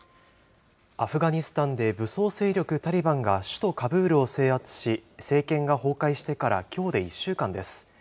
アフガニスタンで武装勢力タリバンが首都カブールを制圧し、政権が崩壊してからきょうで１週間です。